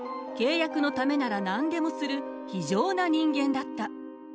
契約のためなら何でもする非情な人間だった。